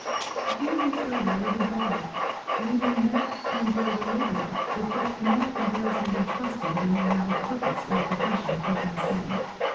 A few weeks later Livy followed, leaving Mat to enjoy the liberty with which American girls may be trusted when they have a purpose or a profession to keep them steady.